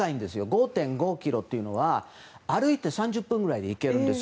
５．５ｋｍというのは歩いて３０分くらいで行けるんです。